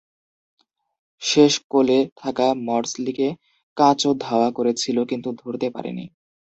শেষ কোলে থাকা মর্সলিকে কাচো ধাওয়া করেছিল, কিন্তু ধরতে পারেনি।